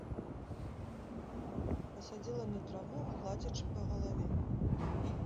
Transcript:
Пасадзіла на траву, гладзячы па галаве.